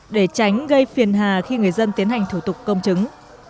để tránh gây phiền hà khi người dân tiến hành thủ tục công chứng